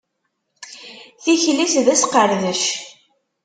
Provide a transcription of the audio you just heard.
Tikli-s d asqeṛdec.